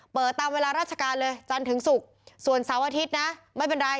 ตามเวลาราชการเลยจันทร์ถึงศุกร์ส่วนเสาร์อาทิตย์นะไม่เป็นไร